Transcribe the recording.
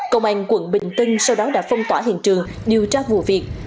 công an quận bình tân sau đó đã phong tỏa hiện trường điều tra vụ việc